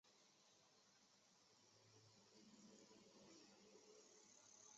这是日本文学史上可考的第一部日记文学作品。